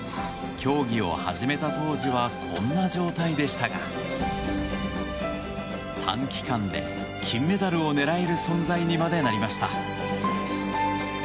競技を始めた当時はこんな状態でしたが短期間で金メダルを狙える存在にまでなりました。